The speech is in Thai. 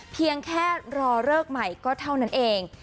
เพียงแค่รอเลิกใหม่ก็เท่านั้นเอง